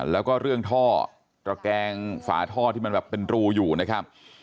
แล้วก็เรื่องท่อตระแกงฝาท่อที่มันแบบเป็นรูอยู่นะครับ